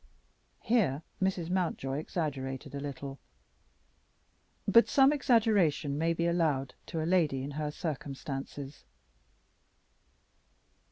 Here Mrs. Mountjoy exaggerated a little, but some exaggeration may be allowed to a lady in her circumstances.